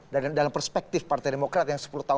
dalam perspektif partai demokrat yang sepuluh tahun